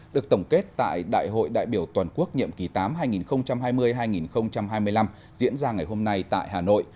được tổng kết tại đại hội đại biểu toàn quốc nhiệm ký tám hai nghìn hai mươi hai nghìn hai mươi năm diễn ra ngày hôm nay tại hà nội